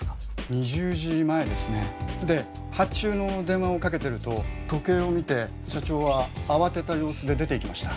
２０時前ですねで発注の電話をかけてると時計を見て社長は慌てた様子で出ていきました